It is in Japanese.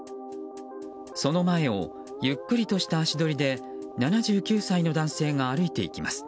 その前をゆっくりとした足取りで７９歳の男性が歩いていきます。